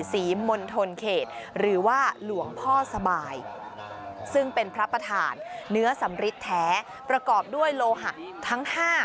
ศรีมณฑลเขตหรือว่าหลวงพ่อสบายซึ่งเป็นพระประธานเนื้อสำริทแท้ประกอบด้วยโลหะทั้ง๕